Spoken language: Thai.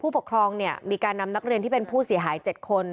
ปกครองมีการนำนักเรียนที่เป็นผู้เสียหาย๗คน